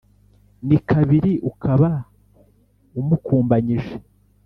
ni kabiri ukaba umukumbanyije,